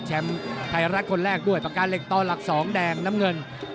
ไทยรัฐคนแรกด้วยปากกาเหล็กต่อหลัก๒แดงน้ำเงิน